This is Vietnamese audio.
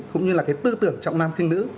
cũng như là cái tư tưởng trọng nam khinh nữ